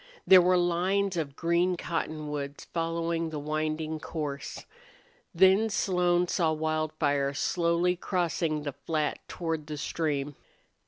There were lines of green cottonwoods following the winding course. Then Slone saw Wildfire slowly crossing the flat toward the stream.